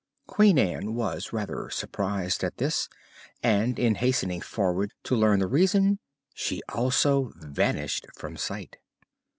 Queen Ann was rather surprised at this, and in hastening forward to learn the reason she also vanished from sight.